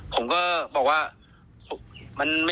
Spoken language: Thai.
ผมก็บอกว่า